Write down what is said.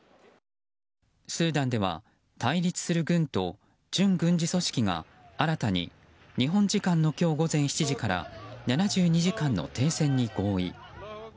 スーダンでは対立する軍と準軍事組織が新たに日本時間の今日午前７時から７２時間の停戦に合意。